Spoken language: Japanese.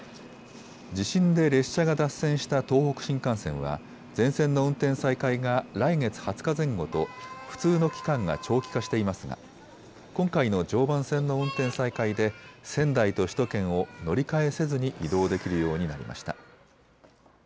地震で列車が脱線した東北新幹線は全線の運転再開が来月２０日前後と不通の期間が長期化していますが今回の常磐線の運転再開で仙台と首都圏を乗り換えせずに移動できるようになりました。